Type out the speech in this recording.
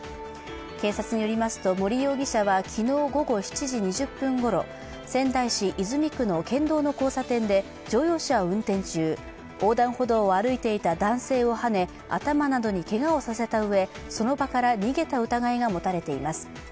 警察によりますと、森容疑者は昨日午後７時２０分ごろ仙台市泉区の県道の交差点で乗用車を運転中、横断歩道を歩いていた男性をはね、頭などにけがをさせたうえ、その場から逃げた疑いが持たれています。